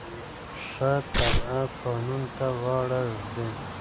ښه تبعه قانون ته غاړه ږدي.